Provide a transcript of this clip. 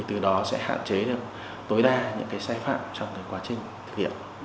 từ đó sẽ hạn chế được tối đa những sai phạm trong quá trình thực hiện